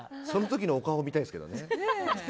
その時のお顔を見たいですけどね。